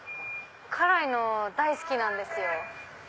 辛いの大好きなんですよ。